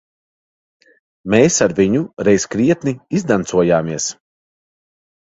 Mēs ar viņu reiz krietni izdancojāmies.